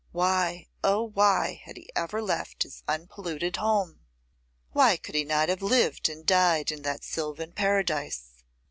Why, oh! why had he ever left his unpolluted home? Why could he not have lived and died in that sylvan paradise?